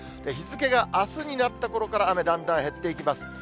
日付があすになったころから、雨だんだん減っていきます。